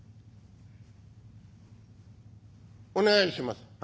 「お願いします」。